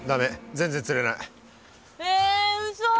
全然釣れない。えうそ！